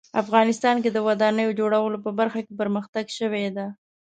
افغانستان کې د ودانیو جوړولو په برخه کې پرمختګ شوی ده